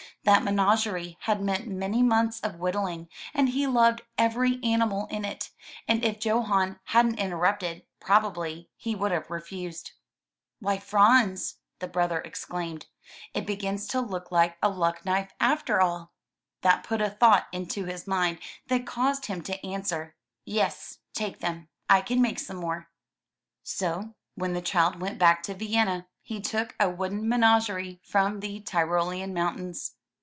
That menagerie had meant many months of whittling, and he loved every animal in it, and if Johan hadn't interrupted, probably he would have refused. no THROUGH FAIRY HALLS "Why, Franz/' the brother exclaimed, *'it begins to look like a luck knife after all/' That put a thought into his mind that caused him to answer, "Yes, take them. I can make some more/' So, when the child went back to Vienna he took a wooden menagerie from the Tyrolean mountains.